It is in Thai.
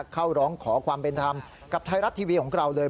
เข้าร้องขอความเป็นธรรมกับไทยรัฐทีวีของเราเลย